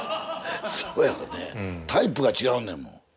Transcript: そうやろねタイプが違うねんもん。